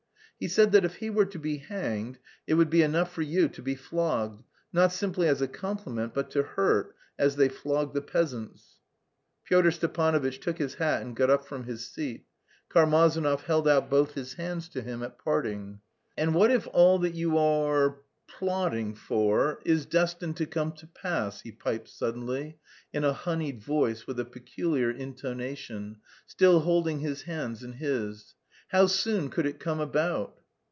"He said that if he were to be hanged it would be enough for you to be flogged, not simply as a complement but to hurt, as they flog the peasants." Pyotr Stepanovitch took his hat and got up from his seat. Karmazinov held out both hands to him at parting. "And what if all that you are... plotting for is destined to come to pass..." he piped suddenly, in a honeyed voice with a peculiar intonation, still holding his hands in his. "How soon could it come about?"